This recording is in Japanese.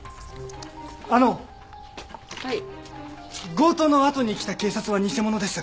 強盗のあとに来た警察は偽者です。